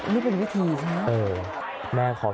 นี่เป็นวิธีใช่ไหม